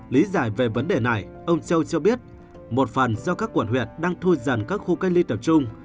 lý giải về vấn đề này ông châu cho biết một phần do các quản huyện đang thu dần các khu canh ly tập trung